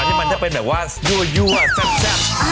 ที่มันจะเป็นแบบว่ายั่วแซ่บ